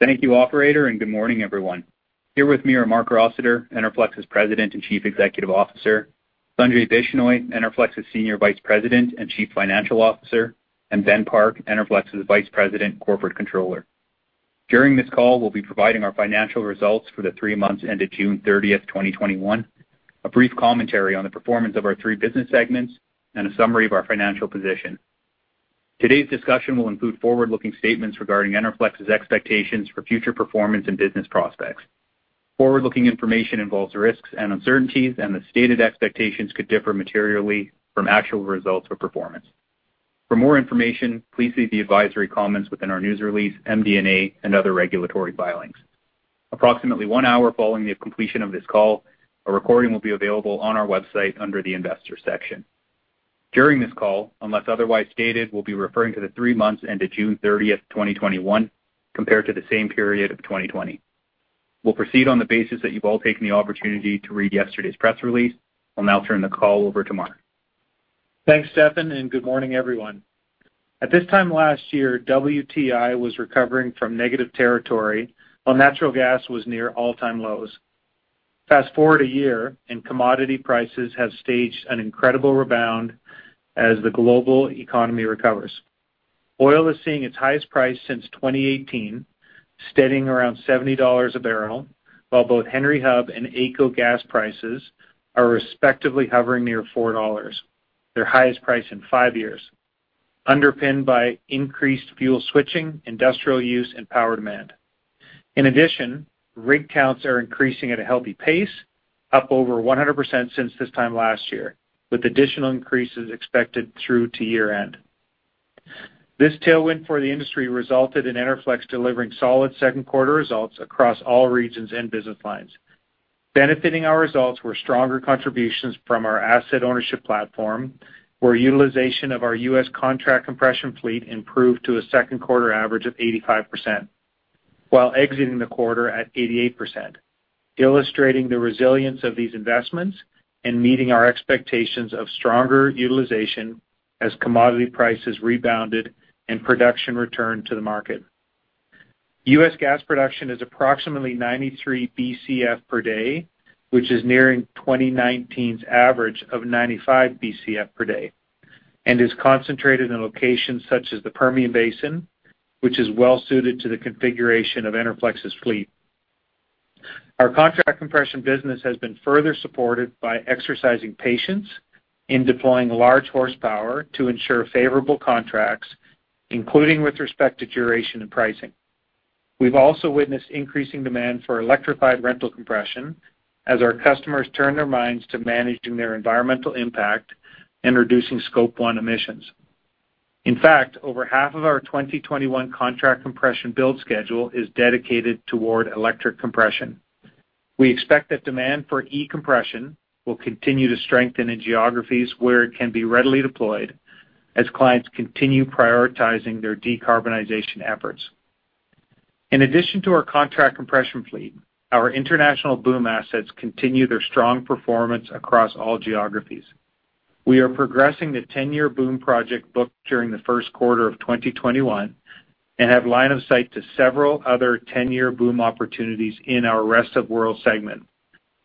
Thank you operator, and good morning, everyone. Here with me are Marc Rossiter, Enerflex's President and Chief Executive Officer, Sanjay Bishnoi, Enerflex's Senior Vice President and Chief Financial Officer, and Benjamin Park, Enerflex's Vice President, Corporate Controller. During this call, we'll be providing our financial results for the three months ended June 30th, 2021, a brief commentary on the performance of our three business segments, and a summary of our financial position. Today's discussion will include forward-looking statements regarding Enerflex's expectations for future performance and business prospects. Forward-looking information involves risks and uncertainties, and the stated expectations could differ materially from actual results or performance. For more information, please see the advisory comments within our news release, MD&A, and other regulatory filings. Approximately one hour following the completion of this call, a recording will be available on our website under the investor section. During this call, unless otherwise stated, we'll be referring to the three months ended June 30th, 2021, compared to the same period of 2020. We'll proceed on the basis that you've all taken the opportunity to read yesterday's press release. I'll now turn the call over to Marc. Thanks, Stefan, and good morning, everyone. At this time last year, WTI was recovering from negative territory, while natural gas was near all-time lows. Fast-forward a year, commodity prices have staged an incredible rebound as the global economy recovers. Oil is seeing its highest price since 2018, steadying around 70 dollars a barrel, while both Henry Hub and AECO gas prices are respectively hovering near 4 dollars, their highest price in five years, underpinned by increased fuel switching, industrial use, and power demand. Rig counts are increasing at a healthy pace, up over 100% since this time last year, with additional increases expected through to year-end. This tailwind for the industry resulted in Enerflex delivering solid second quarter results across all regions and business lines. Benefiting our results were stronger contributions from our asset ownership platform, where utilization of our U.S. Contract Compression fleet improved to a Q2 average of 85%, while exiting the quarter at 88%, illustrating the resilience of these investments and meeting our expectations of stronger utilization as commodity prices rebounded and production returned to the market. U.S. gas production is approximately 93 BCF per day, which is nearing 2019's average of 95 BCF per day and is concentrated in locations such as the Permian Basin, which is well suited to the configuration of Enerflex's fleet. Our contract compression business has been further supported by exercising patience in deploying large horsepower to ensure favorable contracts, including with respect to duration and pricing. We've also witnessed increasing demand for electrified rental compression as our customers turn their minds to managing their environmental impact and reducing Scope 1 emissions. In fact, over half of our 2021 contract compression build schedule is dedicated toward electric compression. We expect that demand for e-compression will continue to strengthen in geographies where it can be readily deployed as clients continue prioritizing their decarbonization efforts. In addition to our contract compression fleet, our international BOOM assets continue their strong performance across all geographies. We are progressing the 10-year BOOM project booked during the first quarter of 2021 and have line of sight to several other 10-year BOOM opportunities in our rest of world segment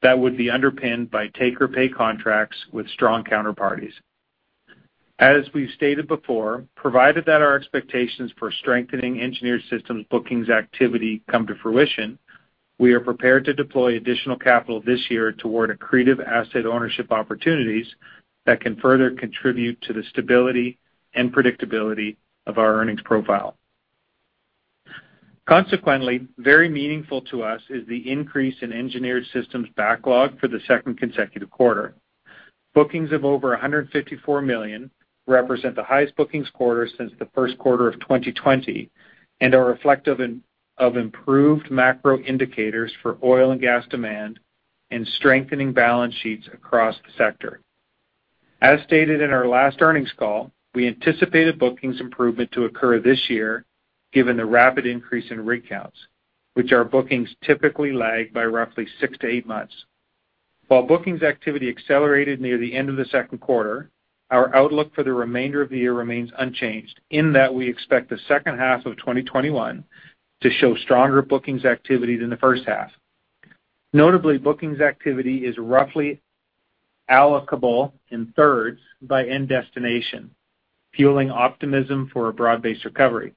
that would be underpinned by take-or-pay contracts with strong counterparties. As we've stated before, provided that our expectations for strengthening Engineered Systems bookings activity come to fruition, we are prepared to deploy additional capital this year toward accretive asset ownership opportunities that can further contribute to the stability and predictability of our earnings profile. Consequently, very meaningful to us is the increase in Engineered Systems backlog for the second consecutive quarter. Bookings of over 154 million represent the highest bookings quarter since the Q1 of 2020 and are reflective of improved macro indicators for oil and gas demand and strengthening balance sheets across the sector. As stated in our last earnings call, we anticipated bookings improvement to occur this year given the rapid increase in rig counts, which our bookings typically lag by roughly six to eight months. While bookings activity accelerated near the end of the Q2, our outlook for the remainder of the year remains unchanged in that we expect the H2 of 2021 to show stronger bookings activity than the H1. Notably, bookings activity is roughly allocable in thirds by end destination, fueling optimism for a broad-based recovery.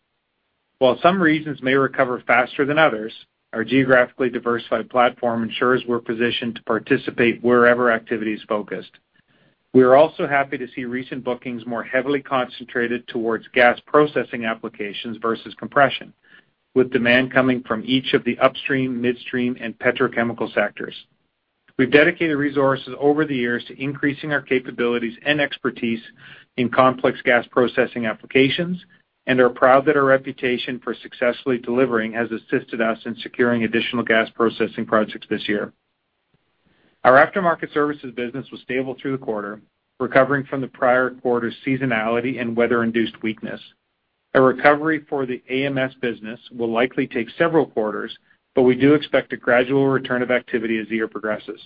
While some regions may recover faster than others, our geographically diversified platform ensures we're positioned to participate wherever activity is focused. We are also happy to see recent bookings more heavily concentrated towards gas processing applications versus compression, with demand coming from each of the upstream, midstream, and petrochemical sectors. We've dedicated resources over the years to increasing our capabilities and expertise in complex gas processing applications and are proud that our reputation for successfully delivering has assisted us in securing additional gas processing projects this year. Our After-Market Services business was stable through the quarter, recovering from the prior quarter's seasonality and weather-induced weakness. A recovery for the AMS business will likely take several quarters, but we do expect a gradual return of activity as the year progresses.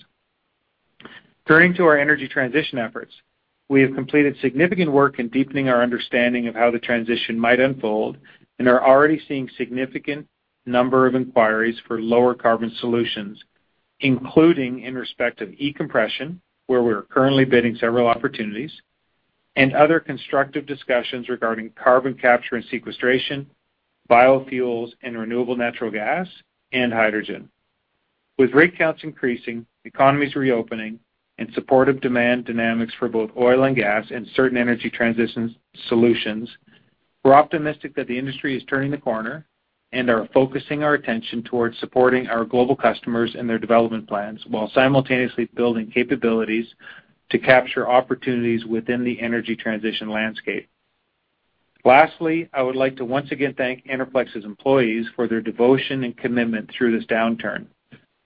Turning to our energy transition efforts. We have completed significant work in deepening our understanding of how the transition might unfold and are already seeing significant number of inquiries for lower carbon solutions, including in respect of e-compression, where we're currently bidding several opportunities, and other constructive discussions regarding carbon capture and sequestration, biofuels and renewable natural gas, and hydrogen. With rig counts increasing, economies reopening, and supportive demand dynamics for both oil and gas and certain energy transition solutions, we're optimistic that the industry is turning the corner and are focusing our attention towards supporting our global customers in their development plans while simultaneously building capabilities to capture opportunities within the energy transition landscape. Lastly, I would like to once again thank Enerflex's employees for their devotion and commitment through this downturn.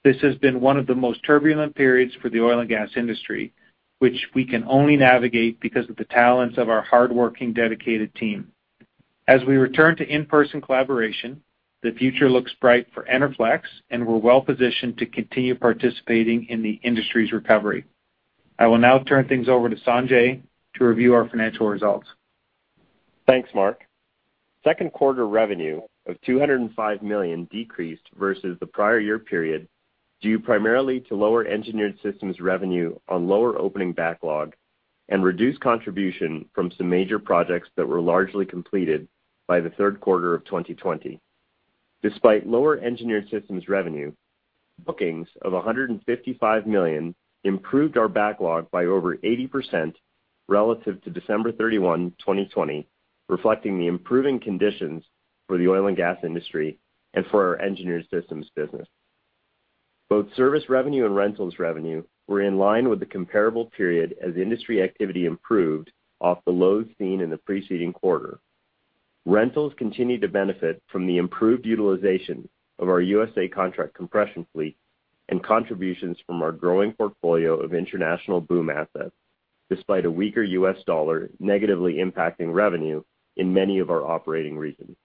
This has been one of the most turbulent periods for the oil and gas industry, which we can only navigate because of the talents of our hardworking, dedicated team. As we return to in-person collaboration, the future looks bright for Enerflex, and we're well-positioned to continue participating in the industry's recovery. I will now turn things over to Sanjay to review our financial results. Thanks, Marc. Q2 revenue of 205 million decreased versus the prior year period, due primarily to lower Engineered Systems revenue on lower opening backlog and reduced contribution from some major projects that were largely completed by the third quarter of 2020. Despite lower Engineered Systems revenue, bookings of 155 million improved our backlog by over 80% relative to December 31, 2020, reflecting the improving conditions for the oil and gas industry and for our Engineered Systems business. Both service revenue and rentals revenue were in line with the comparable period as industry activity improved off the lows seen in the preceding quarter. Rentals continued to benefit from the improved utilization of our U.S. Contract Compression fleet and contributions from our growing portfolio of international BOOM assets, despite a weaker U.S. dollar negatively impacting revenue in many of our operating regions.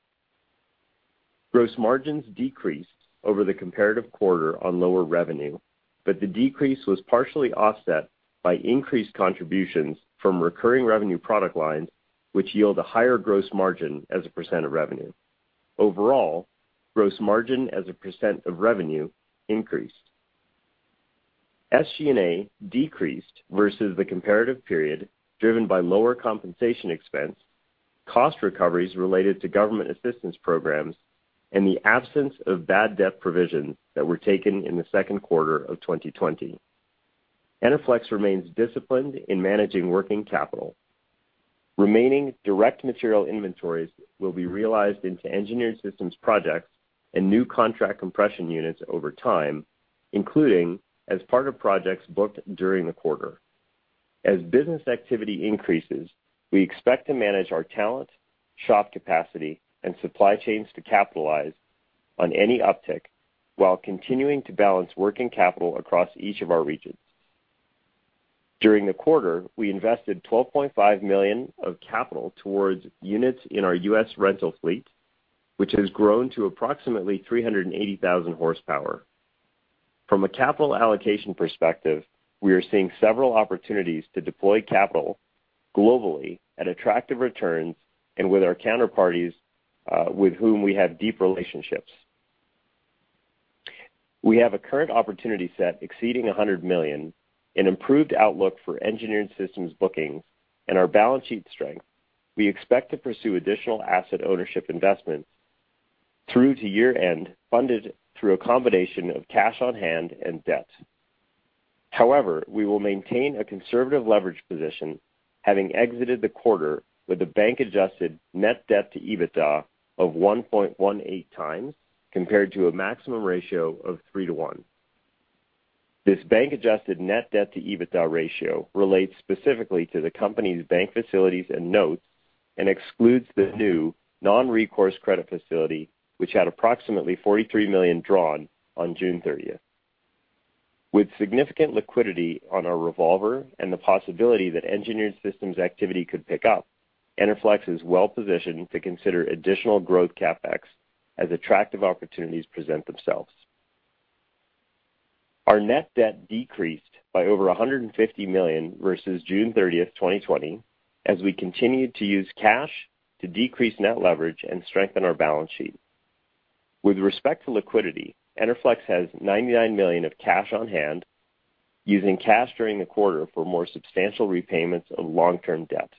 Gross margins decreased over the comparative quarter on lower revenue, but the decrease was partially offset by increased contributions from recurring revenue product lines, which yield a higher gross margin as a percent of revenue. Overall, gross margin as a percent of revenue increased. SG&A decreased versus the comparative period, driven by lower compensation expense, cost recoveries related to government assistance programs, and the absence of bad debt provisions that were taken in the Q2 of 2020. Enerflex remains disciplined in managing working capital. Remaining direct material inventories will be realized into Engineered Systems projects and new Contract Compression units over time, including as part of projects booked during the quarter. As business activity increases, we expect to manage our talent, shop capacity, and supply chains to capitalize on any uptick while continuing to balance working capital across each of our regions. During the quarter, we invested CAD 12.5 million of capital towards units in our U.S. rental fleet, which has grown to approximately 380,000 horsepower. From a capital allocation perspective, we are seeing several opportunities to deploy capital globally at attractive returns and with our counterparties, with whom we have deep relationships. We have a current opportunity set exceeding 100 million, an improved outlook for Engineered Systems bookings, and our balance sheet strength. We expect to pursue additional asset ownership investments through to year-end, funded through a combination of cash on hand and debt. However, we will maintain a conservative leverage position, having exited the quarter with a bank-adjusted net debt to EBITDA of 1.18x, compared to a maximum ratio of 3:1. This bank-adjusted net debt to EBITDA ratio relates specifically to the company's bank facilities and notes and excludes the new non-recourse credit facility, which had approximately 43 million drawn on June 30th. With significant liquidity on our revolver and the possibility that Engineered Systems activity could pick up, Enerflex is well positioned to consider additional growth CapEx as attractive opportunities present themselves. Our net debt decreased by over 150 million versus June 30th, 2020, as we continued to use cash to decrease net leverage and strengthen our balance sheet. With respect to liquidity, Enerflex has 99 million of cash on hand, using cash during the quarter for more substantial repayments of long-term debt.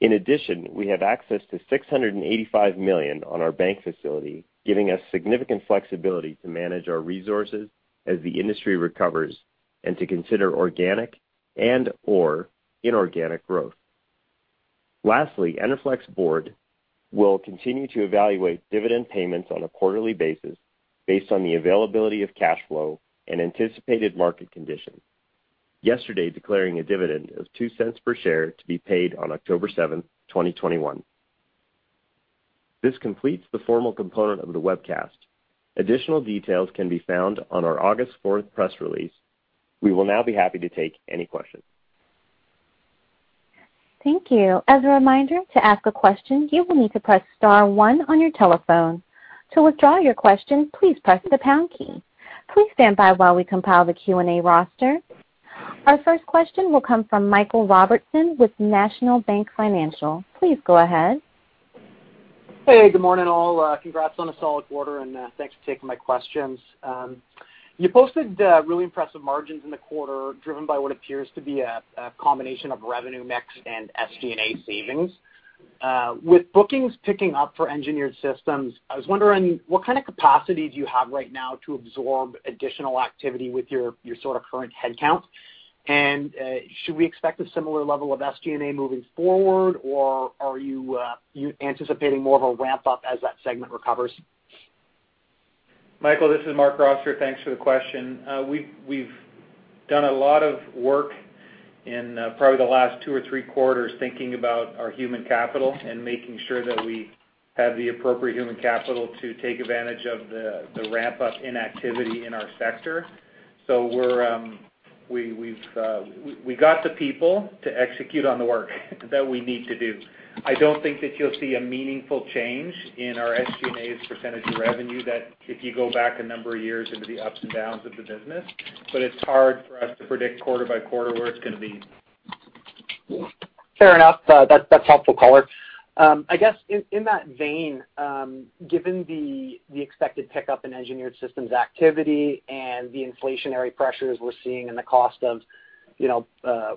In addition, we have access to 685 million on our bank facility, giving us significant flexibility to manage our resources as the industry recovers and to consider organic and/or inorganic growth. Lastly, Enerflex board will continue to evaluate dividend payments on a quarterly basis based on the availability of cash flow and anticipated market conditions. Yesterday, declaring a dividend of 0.02 per share to be paid on October 7th, 2021. This completes the formal component of the webcast. Additional details can be found on our August 4th press release. We will now be happy to take any questions. Thank you. As a reminder, to ask a question, you will need to press star one on your telephone. To withdraw your question, please press the pound key. Please stand by while we compile the Q&A roster. Our first question will come from Michael Robertson with National Bank Financial. Please go ahead. Hey, good morning, all. Congrats on a solid quarter. Thanks for taking my questions. You posted really impressive margins in the quarter, driven by what appears to be a combination of revenue mix and SG&A savings. With bookings picking up for Engineered Systems, I was wondering what kind of capacity do you have right now to absorb additional activity with your sort of current head count? Should we expect a similar level of SG&A moving forward, or are you anticipating more of a ramp-up as that segment recovers? Michael, this is Marc Rossiter. Thanks for the question. We've done a lot of work in probably the last two or three quarters thinking about our human capital and making sure that we have the appropriate human capital to take advantage of the ramp-up in activity in our sector. We've got the people to execute on the work that we need to do. I don't think that you'll see a meaningful change in our SG&A % of revenue that if you go back a number of years into the ups and downs of the business, but it's hard for us to predict quarter by quarter where it's going to be. Fair enough. That's helpful color. I guess in that vein, given the expected pickup in Engineered Systems activity and the inflationary pressures we're seeing in the cost of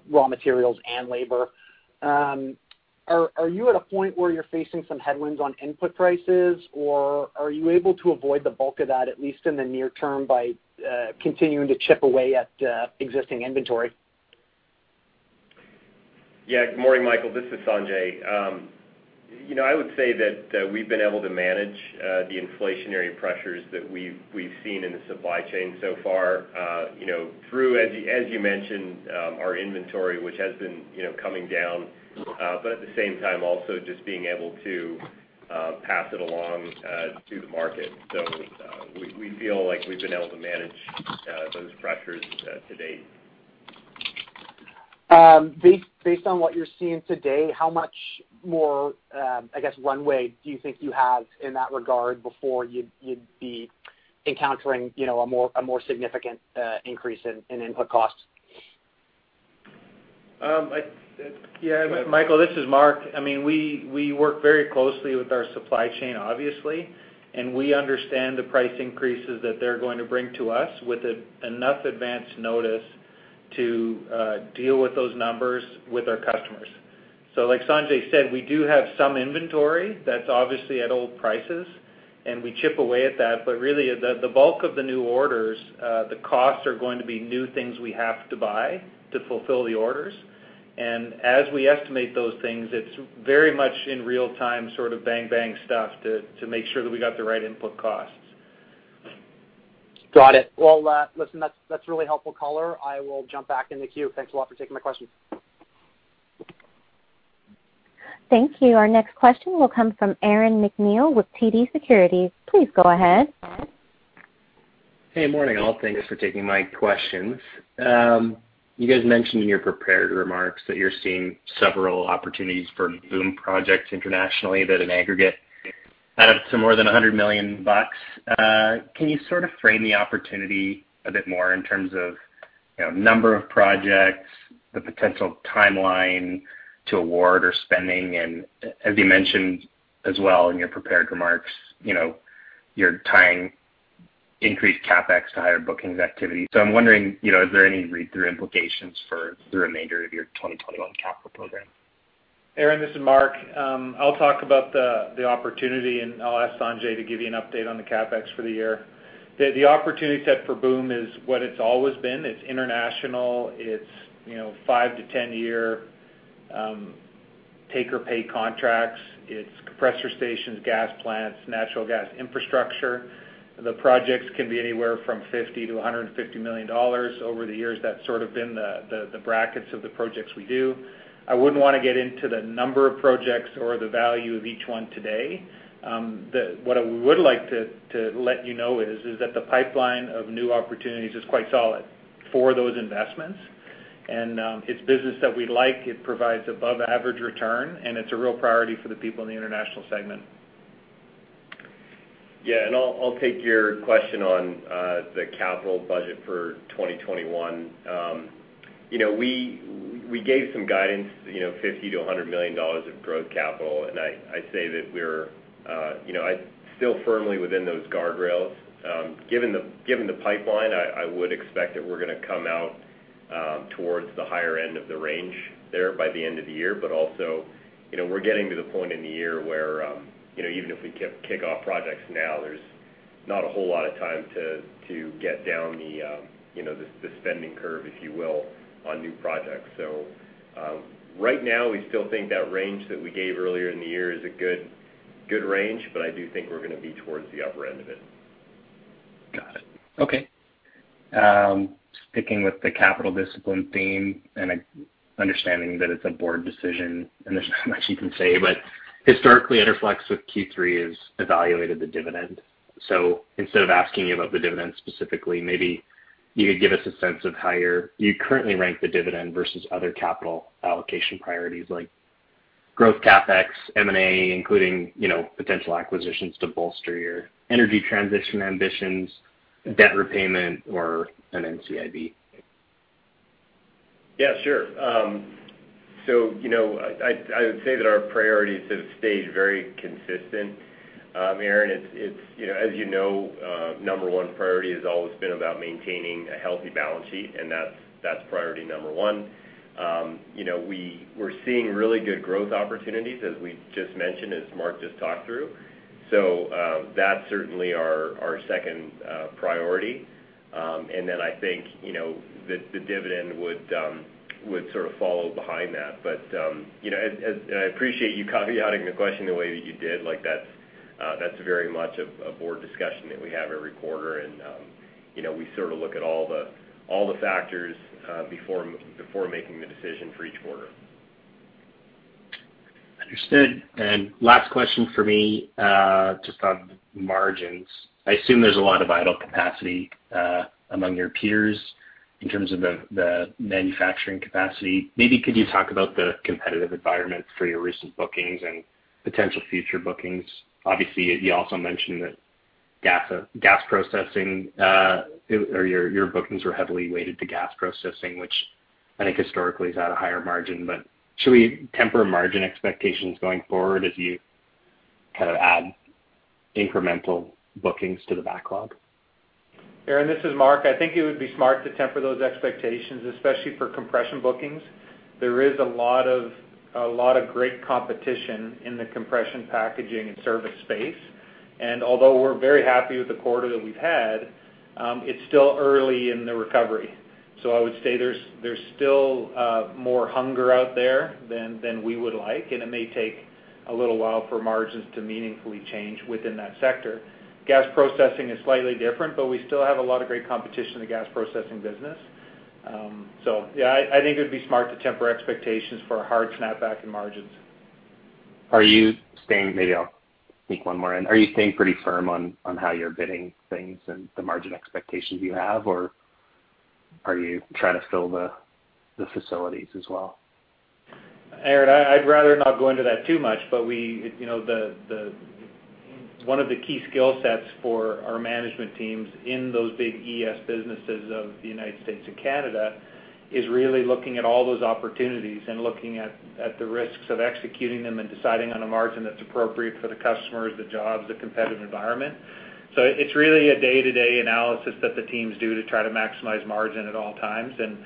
raw materials and labor, are you at a point where you're facing some headwinds on input prices, or are you able to avoid the bulk of that, at least in the near term, by continuing to chip away at existing inventory? Yeah. Good morning, Michael. This is Sanjay. I would say that we've been able to manage the inflationary pressures that we've seen in the supply chain so far through, as you mentioned, our inventory, which has been coming down. At the same time, also just being able to pass it along to the market. We feel like we've been able to manage those pressures to date. Based on what you're seeing today, how much more runway do you think you have in that regard before you'd be encountering a more significant increase in input costs? Yeah. Michael, this is Marc. We work very closely with our supply chain, obviously, and we understand the price increases that they're going to bring to us with enough advance notice to deal with those numbers with our customers. Like Sanjay said, we do have some inventory that's obviously at old prices, and we chip away at that. Really, the bulk of the new orders, the costs are going to be new things we have to buy to fulfill the orders. As we estimate those things, it's very much in real-time, sort of bang stuff to make sure that we got the right input costs. Got it. Listen, that's a really helpful color. I will jump back in the queue. Thanks a lot for taking my question. Thank you. Our next question will come from Aaron MacNeil with Director, Equity Research, TD Securities. Please go ahead. Hey, morning all. Thanks for taking my questions. You guys mentioned in your prepared remarks that you're seeing several opportunities for BOOM projects internationally that in aggregate add up to more than 100 million bucks. Can you sort of frame the opportunity a bit more in terms of number of projects, the potential timeline to award or spending? As you mentioned as well in your prepared remarks, you're tying increased CapEx to higher bookings activity. I'm wondering, is there any read-through implications for the remainder of your 2021 capital program? Aaron MacNeil, this is Marc Rossiter. I'll talk about the opportunity, and I'll ask Sanjay Bishnoi to give you an update on the CapEx for the year. The opportunity set for BOOM is what it's always been. It's international. It's 5-10-year take or pay contracts. It's compressor stations, gas plants, natural gas infrastructure. The projects can be anywhere from 50 million-150 million dollars. Over the years, that's sort of been the brackets of the projects we do. I wouldn't want to get into the number of projects or the value of each one today. What I would like to let you know is that the pipeline of new opportunities is quite solid for those investments, and it's business that we like. It provides above average return, and it's a real priority for the people in the international segment. I'll take your question on the capital budget for 2021. We gave some guidance, 50 million-100 million dollars of growth capital, and I say that we're still firmly within those guardrails. Given the pipeline, I would expect that we're going to come out towards the higher end of the range there by the end of the year. Also, we're getting to the point in the year where even if we kick off projects now, there's not a whole lot of time to get down the spending curve, if you will, on new projects. Right now, we still think that range that we gave earlier in the year is a good range, but I do think we're going to be towards the upper end of it. Got it. Okay. Sticking with the capital discipline theme and understanding that it's a board decision and there's not much you can say, but historically, Enerflex with Q3 has evaluated the dividend. Instead of asking you about the dividend specifically, maybe you could give us a sense of how you currently rank the dividend versus other capital allocation priorities like growth CapEx, M&A, including potential acquisitions to bolster your energy transition ambitions, debt repayment, or an NCIB? Yeah, sure. I would say that our priorities have stayed very consistent. Aaron, as you know, number one priority has always been about maintaining a healthy balance sheet, and that's priority number one. We're seeing really good growth opportunities, as we just mentioned, as Marc just talked through. That's certainly our second priority. I think, the dividend would sort of follow behind that. I appreciate you caveatting the question the way that you did. That's very much a board discussion that we have every quarter. We look at all the factors before making the decision for each quarter. Understood. Last question from me, just on margins. I assume there's a lot of idle capacity among your peers in terms of the manufacturing capacity. Maybe could you talk about the competitive environment for your recent bookings and potential future bookings? You also mentioned that your bookings were heavily weighted to gas processing, which I think historically has had a higher margin, but should we temper margin expectations going forward as you kind of add incremental bookings to the backlog? Aaron, this is Marc. I think it would be smart to temper those expectations, especially for compression bookings. There is a lot of great competition in the compression packaging and service space. Although we're very happy with the quarter that we've had, it's still early in the recovery. I would say there's still more hunger out there than we would like, and it may take a little while for margins to meaningfully change within that sector. Gas processing is slightly different, but we still have a lot of great competition in the gas processing business. Yeah, I think it would be smart to temper expectations for a hard snapback in margins. Maybe I'll sneak one more in. Are you staying pretty firm on how you're bidding things and the margin expectations you have, or are you trying to fill the facilities as well? Aaron, I'd rather not go into that too much, one of the key skill sets for our management teams in those big ES businesses of the U.S. and Canada is really looking at all those opportunities and looking at the risks of executing them and deciding on a margin that's appropriate for the customers, the jobs, the competitive environment. It's really a day-to-day analysis that the teams do to try to maximize margin at all times, and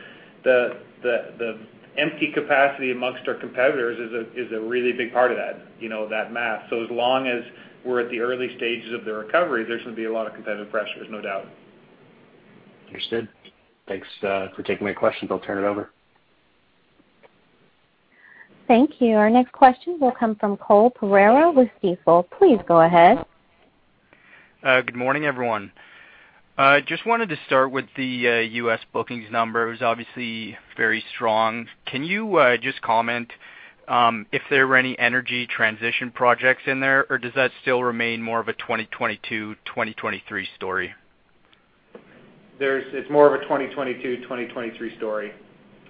the empty capacity amongst our competitors is a really big part of that math. As long as we're at the early stages of the recovery, there's going to be a lot of competitive pressures, no doubt. Understood. Thanks for taking my questions. I'll turn it over. Thank you. Our next question will come from Cole Pereira with Stifel. Please go ahead. Good morning, everyone. Just wanted to start with the U.S. bookings numbers, obviously very strong. Can you just comment if there were any energy transition projects in there, or does that still remain more of a 2022, 2023 story? It's more of a 2022, 2023 story.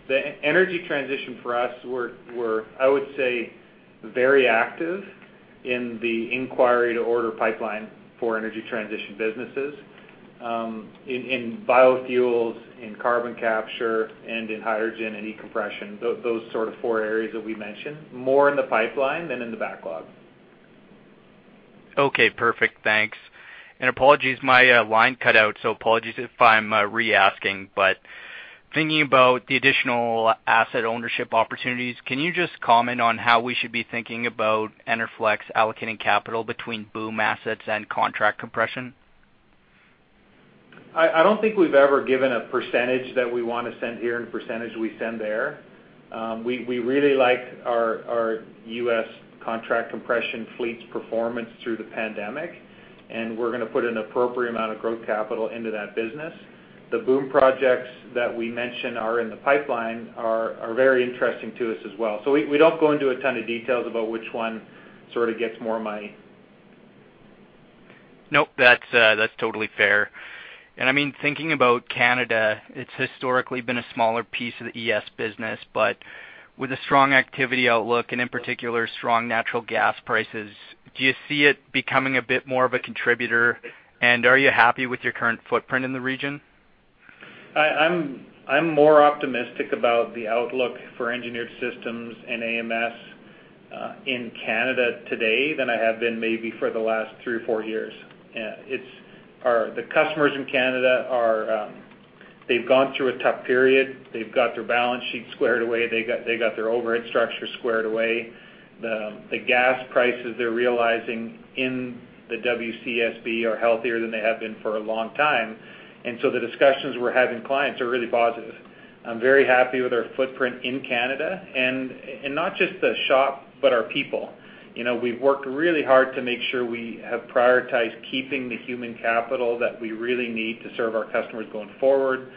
The energy transition for us, we're, I would say, very active in the inquiry to order pipeline for energy transition businesses. In biofuels, in carbon capture, and in hydrogen and e-compression, those sort of four areas that we mentioned. More in the pipeline than in the backlog. Okay, perfect. Thanks. Apologies, my line cut out, so apologies if I'm re-asking. Thinking about the additional asset ownership opportunities, can you just comment on how we should be thinking about Enerflex allocating capital between BOOM assets and contract compression? I don't think we've ever given a percentage that we want to send here and a percentage we send there. We really like our U.S. Contract Compression fleet's performance through the pandemic, we're going to put an appropriate amount of growth capital into that business. The BOOM projects that we mentioned are in the pipeline are very interesting to us as well. We don't go into a ton of details about which one sort of gets more money. Nope, that's totally fair. Thinking about Canada, it's historically been a smaller piece of the ES business, but with a strong activity outlook and in particular, strong natural gas prices, do you see it becoming a bit more of a contributor, and are you happy with your current footprint in the region? I'm more optimistic about the outlook for Engineered Systems and AMS in Canada today than I have been maybe for the last three or four years. The customers in Canada, they've gone through a tough period. They've got their balance sheet squared away. They got their overhead structure squared away. The gas prices they're realizing in the WCSB are healthier than they have been for a long time. The discussions we're having with clients are really positive. I'm very happy with our footprint in Canada, and not just the shop, but our people. We've worked really hard to make sure we have prioritized keeping the human capital that we really need to serve our customers going forward.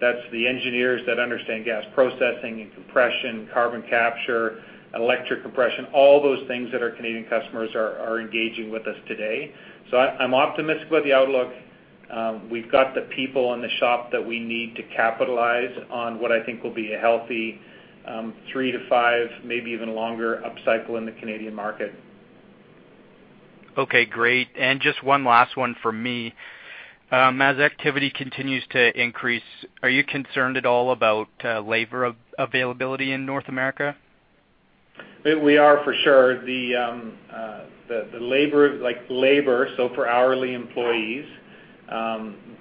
That's the engineers that understand gas processing and compression, carbon capture, electric compression, all those things that our Canadian customers are engaging with us today. I'm optimistic about the outlook. We've got the people in the shop that we need to capitalize on what I think will be a healthy, three to five, maybe even longer up cycle in the Canadian market. Okay, great. Just one last one from me. As activity continues to increase, are you concerned at all about labor availability in North America? We are for sure. The labor, so for hourly employees,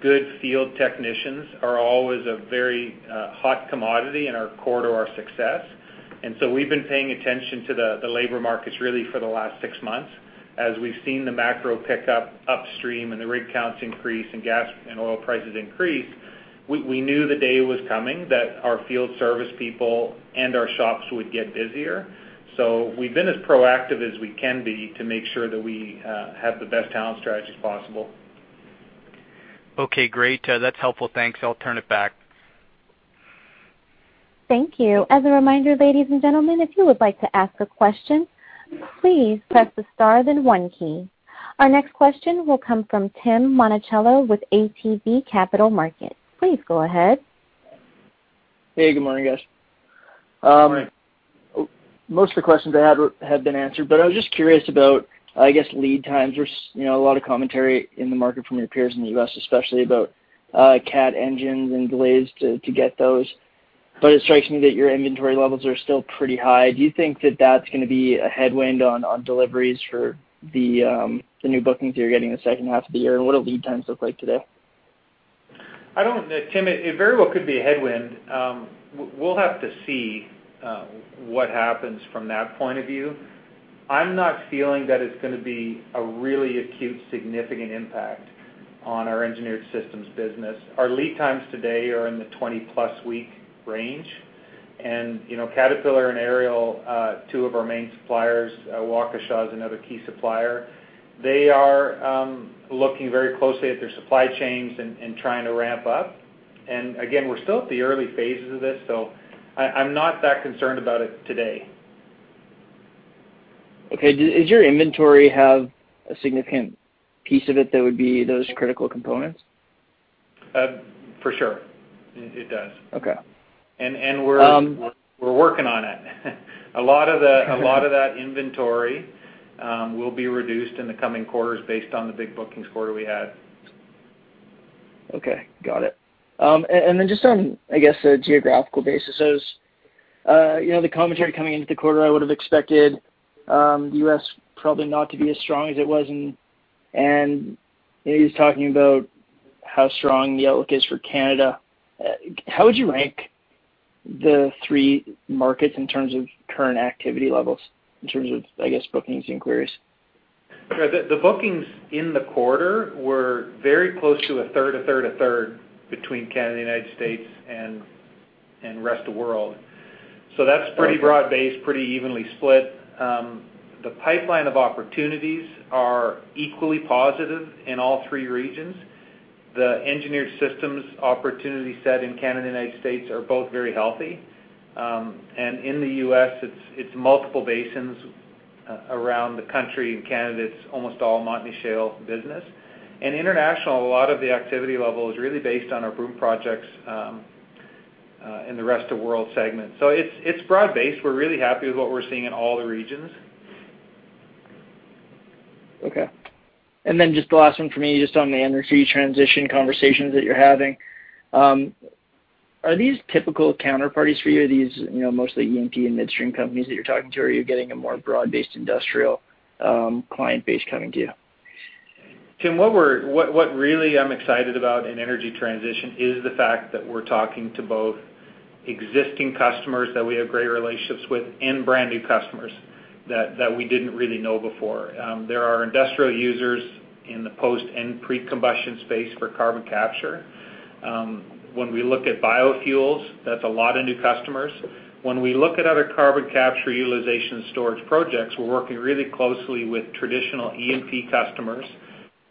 good field technicians are always a very hot commodity and are core to our success. We've been paying attention to the labor markets really for the last six months, as we've seen the macro pick up upstream and the rig counts increase and gas and oil prices increase. We knew the day was coming that our field service people and our shops would get busier. We've been as proactive as we can be to make sure that we have the best talent strategy possible. Okay, great. That's helpful. Thanks. I'll turn it back. Thank you. As a reminder, ladies and gentlemen, if you would like to ask a question, please press the star, then one key. Our next question will come from Tim Monachello with ATB Capital Markets. Please go ahead. Hey, good morning, guys. Morning. Most of the questions I had have been answered, but I was just curious about, I guess, lead times. There's a lot of commentary in the market from your peers in the U.S., especially about Cat engines and delays to get those. But it strikes me that your inventory levels are still pretty high. Do you think that that's going to be a headwind on deliveries for the new bookings you're getting in the second half of the year? And what do lead times look like today? Tim, it very well could be a headwind. We'll have to see what happens from that point of view. I'm not feeling that it's going to be a really acute significant impact on our Engineered Systems business. Our lead times today are in the 20-plus week range. Caterpillar and Ariel, two of our main suppliers, Waukesha is another key supplier. They are looking very closely at their supply chains and trying to ramp up. Again, we're still at the early phases of this, so I'm not that concerned about it today. Okay. Does your inventory have a significant piece of it that would be those critical components? For sure. It does. Okay. We're working on it. A lot of that inventory will be reduced in the coming quarters based on the big bookings quarter we had. Okay, got it. Then just on, I guess, a geographical basis. The commentary coming into the quarter, I would've expected U.S. probably not to be as strong as it was, and you're talking about how strong the outlook is for Canada. How would you rank the three markets in terms of current activity levels, in terms of, I guess, bookings and queries? The bookings in the quarter were very close to a 1/3, a 1/3, a 1/3 between Canada, U.S., and rest of world. That's pretty broad-based, pretty evenly split. The pipeline of opportunities are equally positive in all three regions. The Engineered Systems opportunity set in Canada and U.S. are both very healthy. In the U.S., it's multiple basins around the country. In Canada, it's almost all Montney Shale business. In international, a lot of the activity level is really based on our BOOM projects in the rest of world segment. It's broad-based. We're really happy with what we're seeing in all the regions. Okay. Just the last one for me, just on the energy transition conversations that you're having. Are these typical counterparties for you? Are these mostly E&P and midstream companies that you're talking to, or are you getting a more broad-based industrial client base coming to you? Tim, what really I'm excited about in energy transition is the fact that we're talking to both existing customers that we have great relationships with and brand new customers that we didn't really know before. There are industrial users in the post and pre-combustion space for carbon capture. When we look at biofuels, that's a lot of new customers. When we look at other carbon capture utilization storage projects, we're working really closely with traditional E&P customers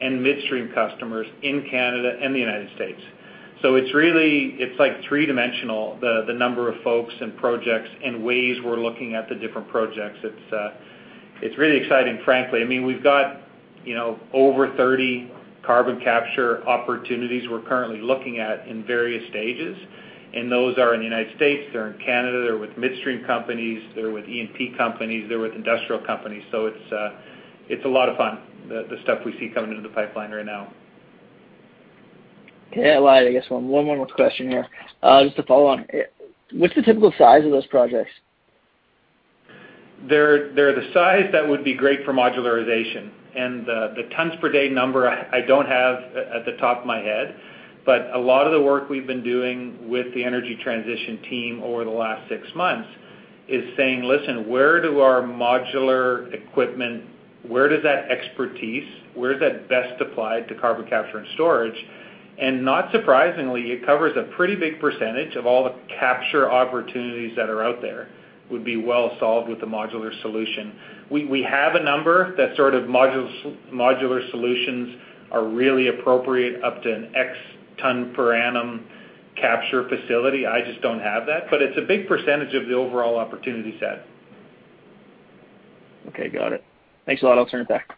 and midstream customers in Canada and the U.S. It's really 3-dimensional, the number of folks and projects and ways we're looking at the different projects. It's really exciting, frankly. We've got over 30 carbon capture opportunities we're currently looking at in various stages, those are in the U.S., they're in Canada, they're with midstream companies, they're with E&P companies, they're with industrial companies. It's a lot of fun, the stuff we see coming into the pipeline right now. Okay. I lied, I guess one more question here. Just a follow on. What's the typical size of those projects? They're the size that would be great for modularization, and the tons per day number I don't have at the top of my head, but a lot of the work we've been doing with the energy transition team over the last six months is saying, "Listen, where do our modular equipment, where does that expertise, where is that best applied to carbon capture and storage?" Not surprisingly, it covers a pretty big percentage of all the capture opportunities that are out there would be well solved with a modular solution. We have a number that modular solutions are really appropriate up to an X tons per annum capture facility. I just don't have that, but it's a big percentage of the overall opportunity set. Okay, got it. Thanks a lot. I'll turn it back.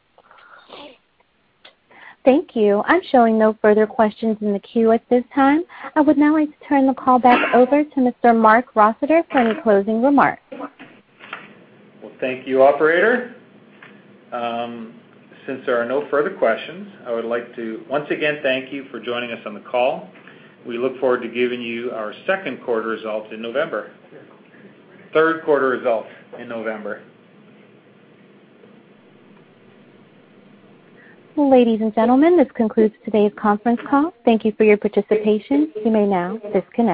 Thank you. I'm showing no further questions in the queue at this time. I would now like to turn the call back over to Mr. Marc Rossiter for any closing remarks. Well, thank you, operator. Since there are no further questions, I would like to once again thank you for joining us on the call. We look forward to giving you our Q2 results in November. Q3 results in November. Ladies and gentlemen, this concludes today's conference call. Thank you for your participation. You may now disconnect.